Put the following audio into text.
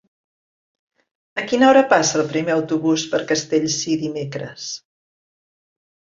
A quina hora passa el primer autobús per Castellcir dimecres?